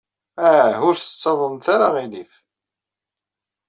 Ah, ur as-ttaḍnet ara aɣilif.